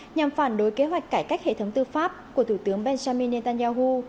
nhằm phản đối kế hoạch cải cách hệ thống tư pháp của thủ tướng benjamin netanyahu